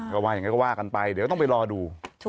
ก็ว่ากันไปเดี๋ยวต้องไปรอดู